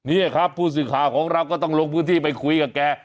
นี่ครับผู้สื่อข่าวของเราก็ต้องลงพื้นที่ไปคุยกับแก